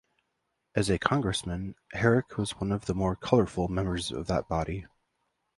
As a Congressman, Herrick was one of the more colorful members of that body.